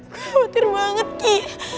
gue khawatir banget ki